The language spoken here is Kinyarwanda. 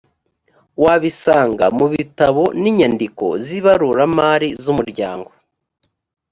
wbisanga mu bitabo n’inyandiko z’ibaruramari z’umuryango